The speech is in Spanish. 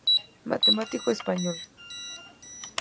Matemático español.